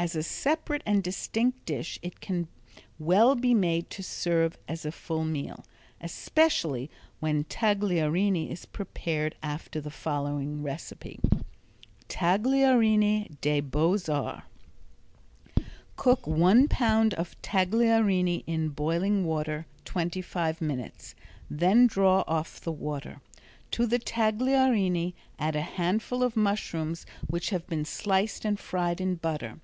As a separate and distinct dish it can well be made to serve as a full meal, especially when tagliarini is prepared after the following recipe: Tagliarini Des Beaux Arts Cook one pound of tagliarini in boiling water twenty five minutes, then draw off the water. To the tagliarini add a handful of mushrooms which have been sliced and fried in butter.